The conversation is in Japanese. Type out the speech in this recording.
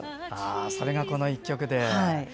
それがこの１曲で。